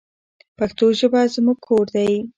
پښتو ژبه زموږ کور دی.